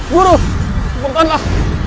guru bantuan lah